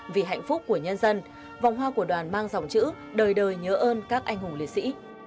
vì hạnh phúc của nhân dân vòng hoa của đoàn mang dòng chữ đời đời nhớ ơn các anh hùng liệt sĩ